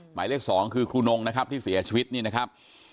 หมายเลข๒คือครูนงนะครับที่เสียชีวิตนี่นะครับ